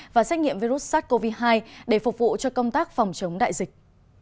và xét nghiệm virus sars cov hai để phục vụ cho công tác phòng chống đại dịch